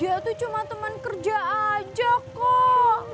itu cuma teman kerja aja kok